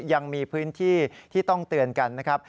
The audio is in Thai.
ยังมีพื้นที่ที่ต้องเตือนกันนะครับ